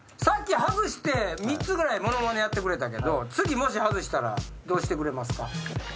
さっき外して３つぐらいモノマネやってくれたけど次もし外したらどうしてくれますか？